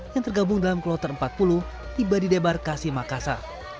yang tergabung dalam keluatan empat puluh tiba di debar kasimakasa